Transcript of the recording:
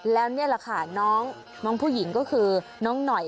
แล้วนี่แหละค่ะน้องผู้หญิงก็คือน้องหน่อย